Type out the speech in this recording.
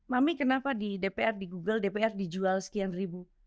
mami kenapa di dpr di google dpr dijual sekian ribu